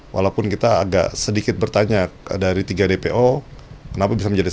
walaupun kita agak sedikit bertanya dari tiga dpo kenapa bisa menjadi